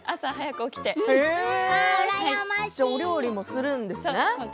お料理もするんですね。